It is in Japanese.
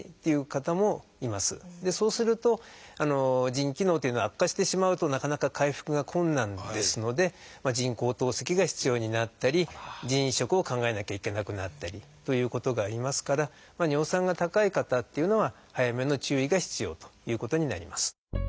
そうすると腎機能というのは悪化してしまうとなかなか回復が困難ですので人工透析が必要になったり腎移植を考えなきゃいけなくなったりということがありますから尿酸が高い方っていうのは早めの注意が必要ということになります。